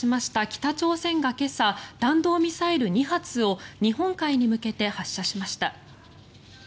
北朝鮮が今朝弾道ミサイル２発を日本海に向けて発射しました。